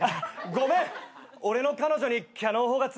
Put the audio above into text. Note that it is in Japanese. ごめん俺の彼女にキャノン砲がついててよかったよ。